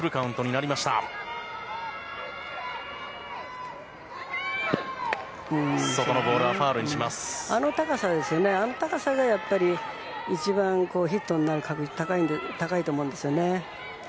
あの高さが一番ヒットになる確率が高いと思うんですよね。